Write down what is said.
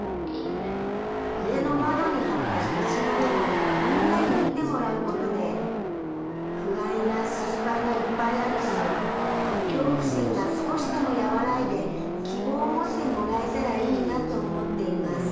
家の窓に貼った虹の絵をみんなに見てもらうことで不安や心配がいっぱいあっても恐怖心が少しでも和らいで希望を持ってもらえたらいいなと思っています。